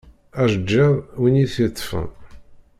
Ajeğğiḍ win i t-yeṭṭfen.